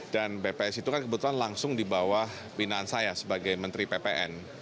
dan bps itu kan kebetulan langsung di bawah pembinaan saya sebagai menteri ppn